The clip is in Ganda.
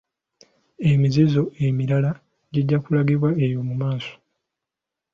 Emizizo emirala gijja kulagibwa eyo mu maaso.